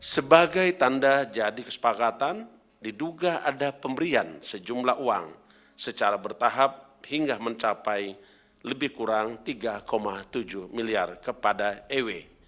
sebagai tanda jadi kesepakatan diduga ada pemberian sejumlah uang secara bertahap hingga mencapai lebih kurang tiga tujuh miliar kepada ew